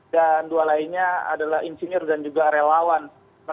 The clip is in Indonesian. dan dua lainnya adalah insinir dan juga relawan